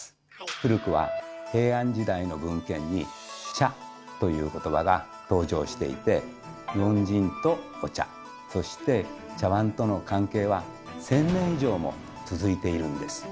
古くは平安時代の文献に「茶」という言葉が登場していて日本人とお茶そして茶わんとの関係は１０００年以上も続いているんです。